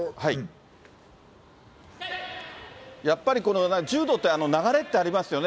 やっぱり柔道って流れってありますよね。